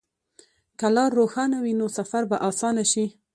که لار روښانه وي، نو سفر به اسانه شي.